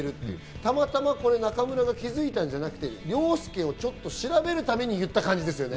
たまたま中村が気づいたんじゃなくて、凌介をちょっと調べるためにいった感じですよね。